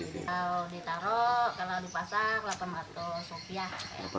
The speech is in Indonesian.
kalau ditaruh kalau dipasar delapan ratus rupiah